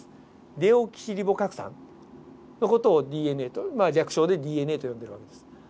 デオキシリボ核酸の事をＤＮＡと略称でＤＮＡと呼んでる訳です。